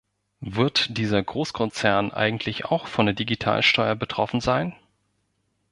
Wird dieser Großkonzern eigentlich auch von der Digitalsteuer betroffen sein?